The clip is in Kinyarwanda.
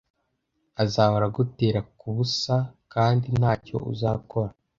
azahora agutera kubusa kandi ntacyo uzakora